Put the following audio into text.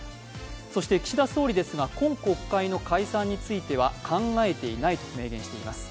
そして岸田総理ですが、今国会の解散については考えていないと明言しています。